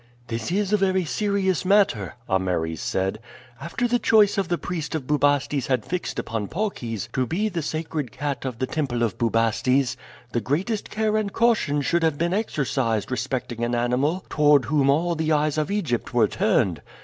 "This is a very serious matter," Ameres said. "After the choice of the priest of Bubastes had fixed upon Paucis to be the sacred cat of the temple of Bubastes, the greatest care and caution should have been exercised respecting an animal toward whom all the eyes of Egypt were turned.